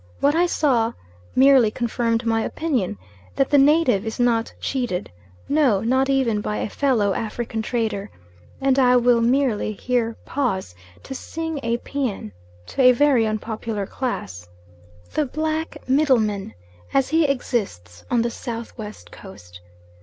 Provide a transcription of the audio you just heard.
What I saw merely confirmed my opinion that the native is not cheated; no, not even by a fellow African trader; and I will merely here pause to sing a paean to a very unpopular class the black middleman as he exists on the South West Coast.